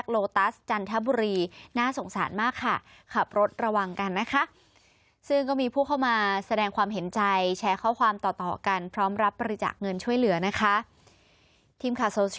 และปฏิจักรเงินช่วยเหลือนะคะ